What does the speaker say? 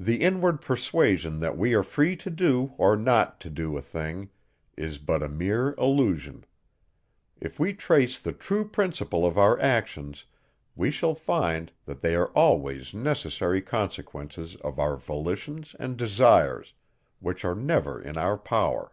The inward persuasion that we are free to do, or not to do a thing, is but a mere illusion. If we trace the true principle of our actions, we shall find, that they are always necessary consequences of our volitions and desires, which are never in our power.